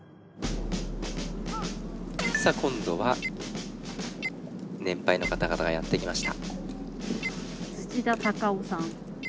さあ今度は年配の方々がやって来ました。